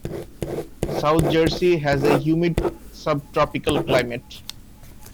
South Jersey has a humid subtropical climate.